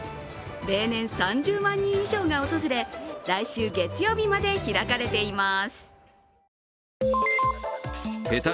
例年３０万人以上が訪れ、来週月曜日まで開かれています。